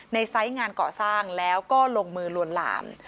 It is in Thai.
ไซส์งานก่อสร้างแล้วก็ลงมือลวนลาม